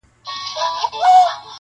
له هیواده د منتر د کسبګرو.!